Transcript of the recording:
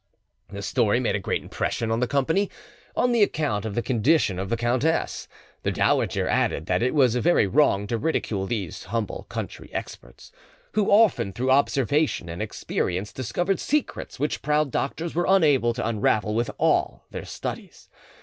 This story made a great impression on the company, on account of the condition of the countess; the dowager added that it was very wrong to ridicule these humble country experts, who often through observation and experience discovered secrets which proud doctors were unable to unravel with all their studies.